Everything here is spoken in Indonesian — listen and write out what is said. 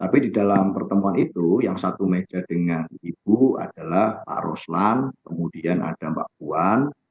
tapi di dalam pertemuan itu yang satu meja dengan ibu adalah pak roslan kemudian ada mbak puan